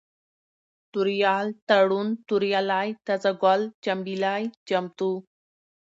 توريال ، تړون ، توريالی ، تازه گل ، چمبېلى ، چمتو